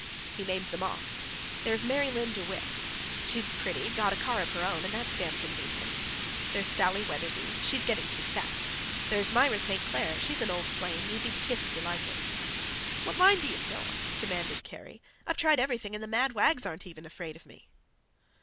He named them off. "There's Marylyn De Witt—she's pretty, got a car of her own and that's damn convenient; there's Sally Weatherby—she's getting too fat; there's Myra St. Claire, she's an old flame, easy to kiss if you like it—" "What line do you throw 'em?" demanded Kerry. "I've tried everything, and the mad wags aren't even afraid of me."